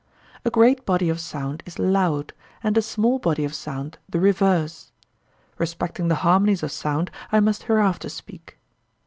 A great body of sound is loud, and a small body of sound the reverse. Respecting the harmonies of sound I must hereafter speak.